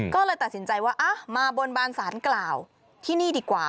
ก็เลยตัดสินใจว่ามาบนบานสารกล่าวที่นี่ดีกว่า